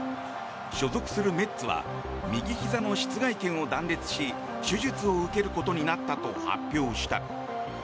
所属するメッツは右ひざの膝蓋腱を断裂し手術を受けることになったと発表した。